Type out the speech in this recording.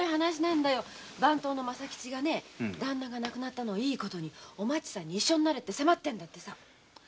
番頭の政吉がダンナの亡くなったのをいい事にお町さんに一緒になれって迫ってるんだって。